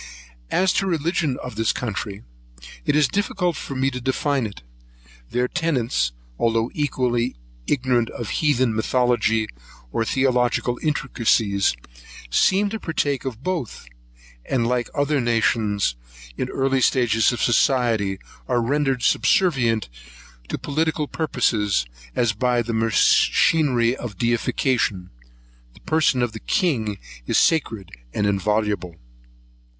As to the religion of this country, it is difficult for me to define it. Their tenets, although equally ignorant of heathen mythology or theological intricacies, seem to partake of both; and, like other nations in the early ages of society, are rendered subservient to political purposes, as by the machinery of deification the person of the king is sacred and inviolable.